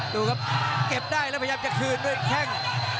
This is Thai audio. ดูครับเก็บได้แล้วพยายามจะคืนด้วยแข้ง